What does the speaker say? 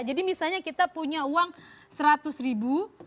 jadi misalnya kita punya uang seratus ribu